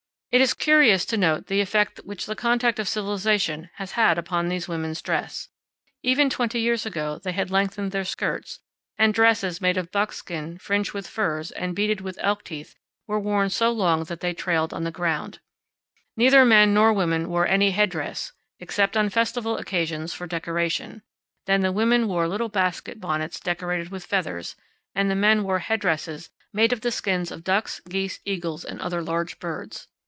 It is curious to notice the effect which the contact of civilization has had upon these women's dress. Even twenty years ago they had lengthened their skirts; and dresses, made of buckskin, fringed with furs, and beaded with elk teeth, were worn so long that they trailed MESAS AND BUTTES. 63 on the ground. Neither men nor women wore any headdress except on festival occasions for decoration; then the women wore little basket bonnets decorated with feathers, and the men wore headdresses made of the skins of ducks, geese, eagles, and other large birds.